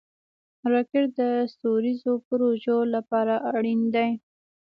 راکټ د ستوریزو پروژو لپاره اړین دی